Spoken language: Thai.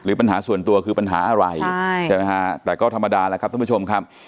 ปัญหาส่วนตัวคือปัญหาอะไรใช่ไหมฮะแต่ก็ธรรมดาแล้วครับท่านผู้ชมครับ